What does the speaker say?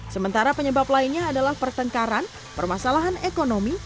sementara penyebab lainnya adalah pertengkaran permasalahan ekonomi